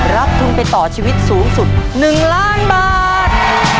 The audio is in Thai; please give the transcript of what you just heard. รับทุนไปต่อชีวิตสูงสุด๑ล้านบาท